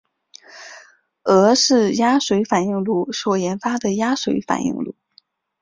俄式压水反应炉所研发的压水反应炉。